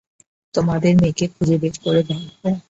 তোমাদের মেয়েকে খুঁজে বের করে ভাগবো।